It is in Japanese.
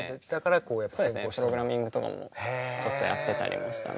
そうですねプログラミングとかもちょっとやってたりもしたので。